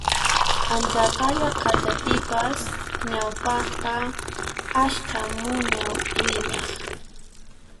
Antaqalla qhatapipas ñawpaqqa ashka muña wiñaq